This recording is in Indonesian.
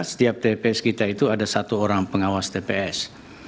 setiap tps kita itu ada satu orang pengawas tps